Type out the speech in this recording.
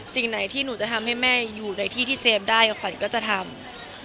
สิ่งไหนที่หนูจะทำให้แม่อยู่ในที่ที่เซฟได้กับขวัญก็จะทำ